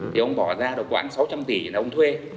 thì ông bỏ ra được khoảng sáu trăm linh tỷ là ông thuê